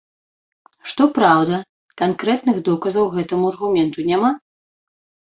Што праўда, канкрэтных доказаў гэтаму аргументу няма.